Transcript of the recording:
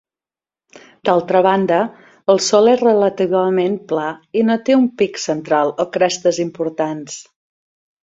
D'altra banda, el sòl és relativament pla i no té un pic central o crestes importants.